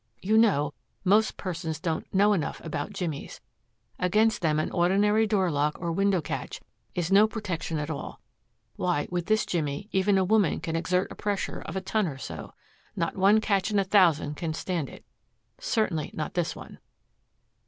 "You know, most persons don't know enough about jimmies. Against them an ordinary door lock or window catch is no protection at all. Why, with this jimmy, even a woman can exert a pressure of a ton or so. Not one catch in a thousand can stand it certainly not this one."